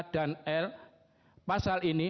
dan l pasal ini